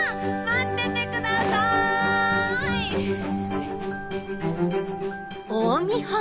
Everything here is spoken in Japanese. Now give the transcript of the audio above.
待っててください！